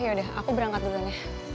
yaudah aku berangkat duluan ya